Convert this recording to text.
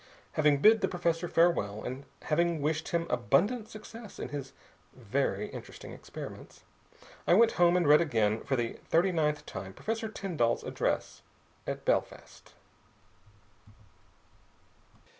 Having bid the professor farewell and wished him abundant success in his very interesting experiments, I went home and read again for the thirty ninth time Professor Tyndall's address at Belfast.